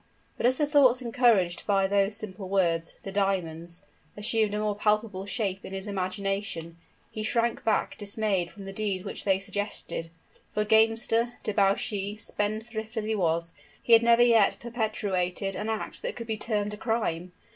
But as the thoughts encouraged by those simple words "the diamonds" assumed a more palpable shape in his imagination, he shrank back dismayed from the deed which they suggested: for gamester, debauchee, spendthrift as he was, he had never yet perpetrated an act that could be termed a crime.